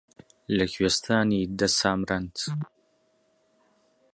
لە کوێستانی دە سامرەند